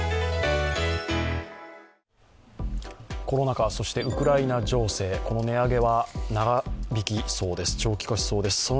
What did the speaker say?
コロナ禍、そしてウクライナ情勢この値上げは長期化しそうです。